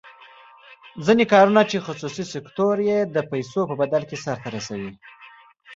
ځینې کارونه چې خصوصي سکتور یې د پیسو په بدل کې سر ته رسوي.